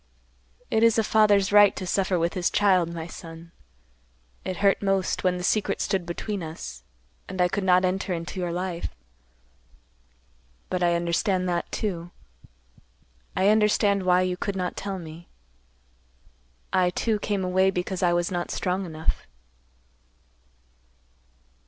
It is a father's right to suffer with his child, my son. It hurt most, when the secret stood between us, and I could not enter into your life, but I understand that, too. I understand why you could not tell me. I, too, came away because I was not strong enough."